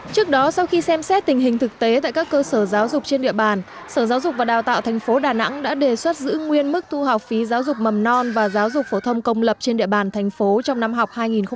trước đó sau khi xem xét tình hình thực tế tại các cơ sở giáo dục trên địa bàn sở giáo dục và đào tạo tp đà nẵng đã đề xuất giữ nguyên mức thu học phí giáo dục mầm non và giáo dục phổ thông công lập trên địa bàn thành phố trong năm học hai nghìn hai mươi hai nghìn hai mươi